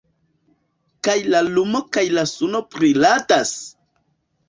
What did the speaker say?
Kaj la lumo kaj la suno briladas?